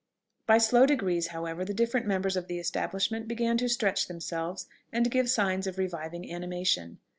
By slow degrees, however, the different members of the establishment began to stretch themselves and give sign of reviving animation.